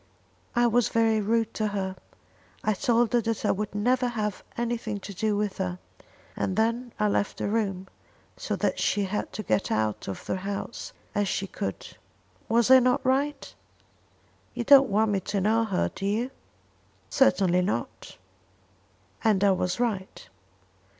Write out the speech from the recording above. "I was very rude to her. I told her that I would never have anything to do with her; and then I left the room, so that she had to get out of the house as she could. Was I not right? You don't want me to know her, do you?" "Certainly not." "And I was right."